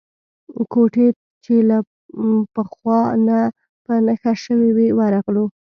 کوټې چې له پخوا نه په نښه شوې وې ورغلو.